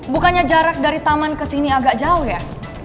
bukannya jarak dari taman kesini agak jauh ya